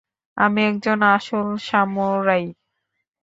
আমি একজন আসল সামুরাই।